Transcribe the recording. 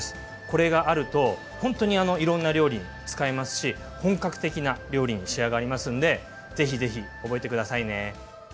これがあるとほんとにいろんな料理に使えますし本格的な料理に仕上がりますんでぜひぜひ覚えて下さいね。